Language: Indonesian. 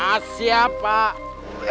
ah siap pak